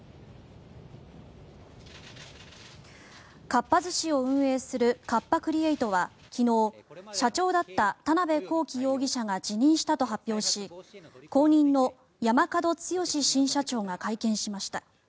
かっぱ寿司を運営するカッパ・クリエイトは昨日、社長だった田辺公己容疑者が辞任したと発表し後任の山角豪新社長が会見しました。